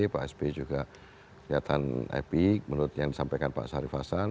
pak sby juga kelihatan epic menurut yang disampaikan pak syarif hasan